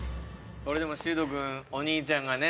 これでもしゅーとくんお兄ちゃんがね